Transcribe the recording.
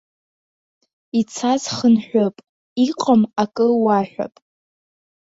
Ицаз хынҳәып, иҟам акы уаҳәап.